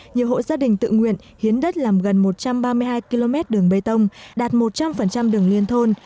nhiều hộ gia đình tự nguyện hiến đất làm gần một trăm ba mươi hai km đường bê tông đạt một trăm linh đường liên thôn